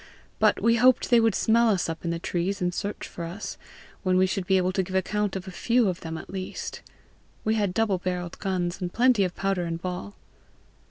But we hoped they would smell us up in the trees, and search for us, when we should be able to give account of a few of them at least: we had double barrelled guns, and plenty of powder and ball."